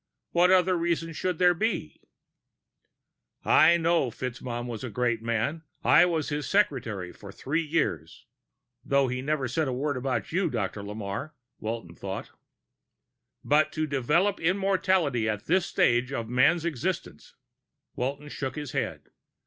What other reason should there be?" "I know FitzMaugham was a great man ... I was his secretary for three years." (Though he never said a word about you, Dr. Lamarre, Walton thought.) "But to develop immortality at this stage of man's existence...." Walton shook his head.